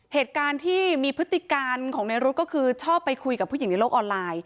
เหตุการณ์ที่มีพฤติการของในรุ๊ดก็คือชอบไปคุยกับผู้หญิงในโลกออนไลน์